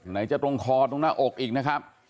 ไหนจะตรงคอตรงหน้าอกอีกนะครับ